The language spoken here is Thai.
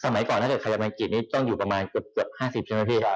เมื่อก่อนใครจะไปอังกฤษนี่ต้องอยู่แบบ๕๐บาท